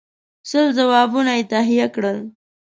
سل جوابونه یې تهیه کړل.